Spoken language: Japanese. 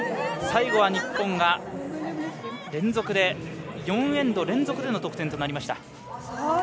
最後は日本が４エンド連続での得点となりました。